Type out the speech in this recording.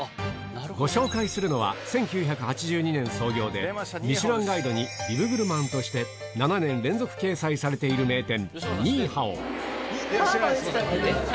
ご紹介するのは、１９８２年創業で、ミシュランガイドにビブグルマンとして、７年連続掲載されている名店、ニイハオ。